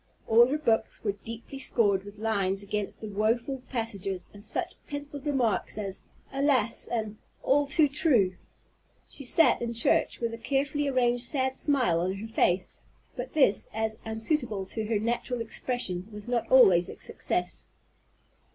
All her books were deeply scored with lines against the woful passages, and such pencilled remarks as "Alas!" and "All too true!" She sat in church with a carefully arranged sad smile on her face; but this, as unsuitable to her natural expression, was not always a success.